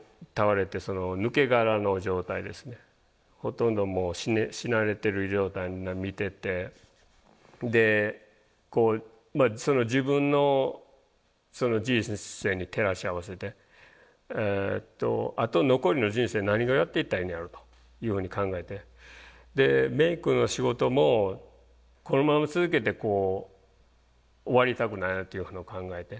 ほとんどもう死なれてる状態を見ててでこう自分の人生に照らし合わせてあと残りの人生何をやっていったらいいんやろうというふうに考えてメイクの仕事もこのまま続けてこう終わりたくないなっていうのを考えて。